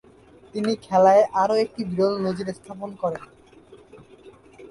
তিনি খেলায় আরও একটি বিরল নজির স্থাপন করেন।